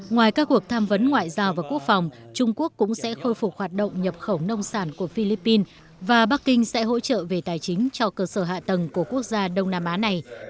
ngoài các cuộc tham vấn ngoại giao và quốc phòng trung quốc cũng sẽ khôi phục hoạt động nhập khẩu nông sản của philippines và bắc kinh sẽ hỗ trợ về tài chính cho cơ sở hạ tầng của quốc gia đông nam á này